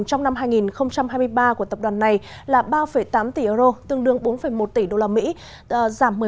trong năm hai nghìn hai mươi ba của tập đoàn này là ba tám tỷ euro tương đương bốn một tỷ đô la mỹ